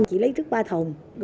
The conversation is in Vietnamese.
chị lấy trước ba thùng